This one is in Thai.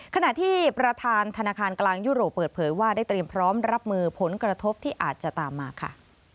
ขณะที่ประธานธนาคารกลางยุโรปเปิดเผยว่าได้เตรียมพร้อมรับมือผลกระทบที่อาจจะตามมาค่ะ